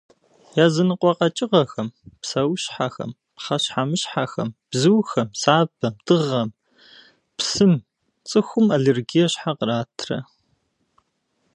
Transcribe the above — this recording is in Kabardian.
Языныкъуэ къэкӏыгъэхэм, псэущхьэхэм, пхъэщхьэмыщхьэхэм, бзухэм, сабэм, дыгъэм, псым цӏыхум аллергие щхьэ къратрэ?